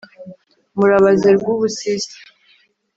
Murabaze Rwubusisi